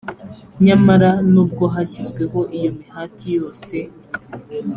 nyamara nubwo hashyizweho iyo mihati yose